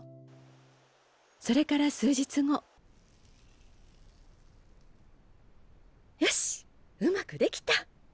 それからよしうまくできた！